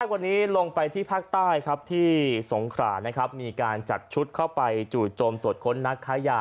วันนี้ลงไปที่ภาคใต้ครับที่สงขรานะครับมีการจัดชุดเข้าไปจู่โจมตรวจค้นนักค้ายา